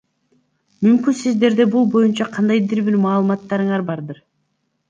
Мүмкүн сиздерде бул боюнча кандайдыр бир маалыматтарыңар бардыр?